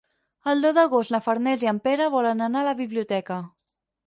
El deu d'agost na Farners i en Pere volen anar a la biblioteca.